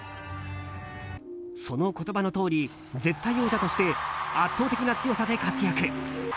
その言葉のとおり絶対王者として圧倒的な強さで活躍。